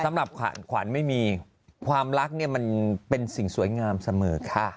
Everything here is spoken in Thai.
สำหรับขวัญไม่มีความรักเนี่ยมันเป็นสิ่งสวยงามเสมอค่ะ